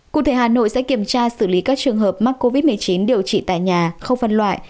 cụ thể hà nội sẽ kiểm tra xử lý các trường hợp mắc covid một mươi chín điều trị tại nhà không phân loại